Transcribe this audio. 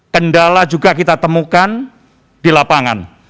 kendala juga kita temukan di lapangan